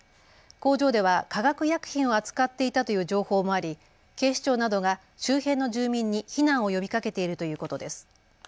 工場では化学薬品を扱っていたという情報もあり警視庁などが周辺の住民に避難を呼びかけているということです。